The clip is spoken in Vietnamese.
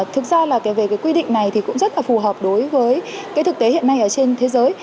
thực ra là về cái quy định này thì cũng rất là phù hợp đối với cái thực tế hiện nay ở trên thế giới